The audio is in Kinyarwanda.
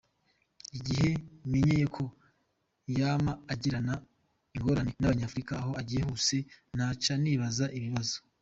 "Igihe menyeye ko yama agirana ingorane n'abanyafrika aho agiye hose, naca nibaza ibibazo.